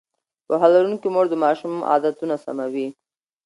پوهه لرونکې مور د ماشوم عادتونه سموي.